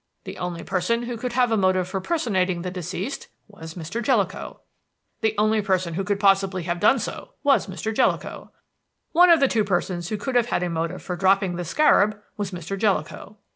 "The only person who could have a motive for personating the deceased was Mr. Jellicoe. "The only known person who could possibly have done so was Mr. Jellicoe. "One of the two persons who could have had a motive for dropping the scarab was Mr. Jellicoe.